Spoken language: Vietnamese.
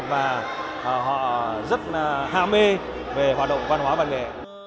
và họ rất ham mê về hoạt động văn hóa và nghệ